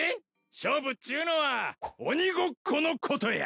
勝負っちゅうのは鬼ごっこのことや。